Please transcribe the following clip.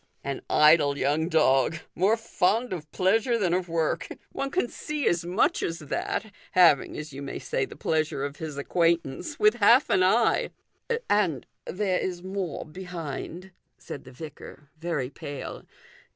" An idle young dog ; more fond of pleasure than of work. One can see as much as that, having, as you may say, the pleasure of his acquaintance, with half an eye." " And there is more behind," said the vicar, very pale.